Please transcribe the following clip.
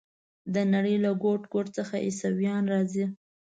د نړۍ له ګوټ ګوټ څخه عیسویان راځي.